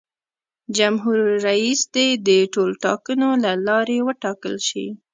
جمهور رئیس دې د ټولټاکنو له لارې وټاکل شي.